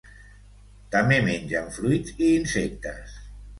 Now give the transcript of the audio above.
També mengen fruits i insectes.